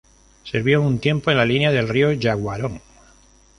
Sirvió un tiempo en la línea del Río Yaguarón.